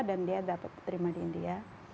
dan dia dapat terima di india